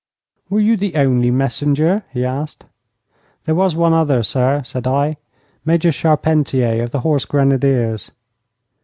'Were you the only messenger?' he asked. 'There was one other, sir,' said I. 'Major Charpentier, of the Horse Grenadiers.'